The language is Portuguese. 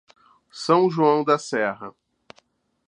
São João da Serra